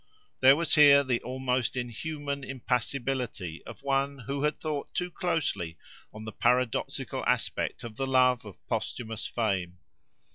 There was here the almost inhuman impassibility of one who had thought too closely on the paradoxical aspect of the love of posthumous fame.